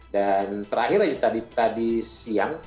dan terakhir tadi siang